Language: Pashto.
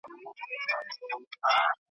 سړي وویل جنت ته به زه ځمه ,